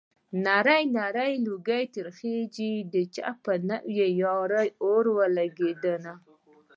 نری نری لوګی ترې خيږي د چا په نوې يارۍ اور ولګېدنه